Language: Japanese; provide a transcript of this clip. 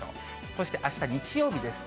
そして、あした日曜日です。